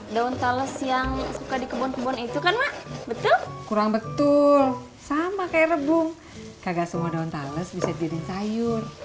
daun tales yang suka di kebun kebun itu kan mah betul kurang betul sama kayak rebung kagak semua daun tales bisa dijadikan sayur